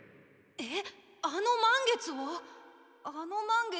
えっ？